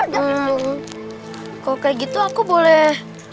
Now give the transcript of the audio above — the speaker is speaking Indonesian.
kalo kayak gitu aku boleh